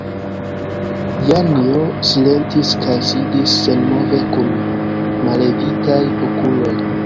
Janjo silentis kaj sidis senmove kun mallevitaj okuloj.